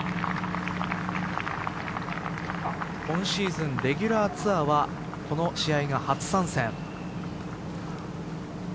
今シーズン、レギュラーツアーはこの試合が初参戦。